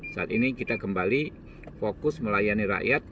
saat ini kita kembali fokus melayani rakyat